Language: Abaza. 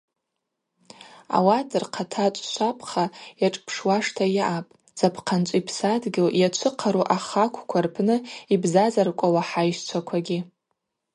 Ауат рхъатачӏв швапха йашӏпшуашта йаъапӏ запхъанчӏви Псадгьыл йачвыхъару ахаквква рпны йбзазаркӏвауа хӏайщчваквагьи.